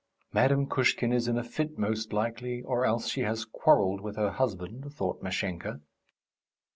"Madame Kushkin is in a fit, most likely, or else she has quarrelled with her husband," thought Mashenka.